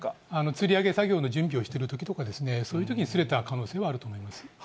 つり上げ作業の準備をしているときとかですね、そういう時に擦れた可能性はあると思います。